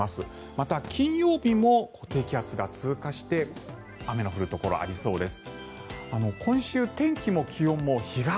また、金曜日も低気圧が通過して雨の降るところありそうです。